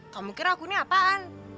kamu kira aku ini apaan